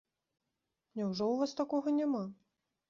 Няўжо ў вас такога няма?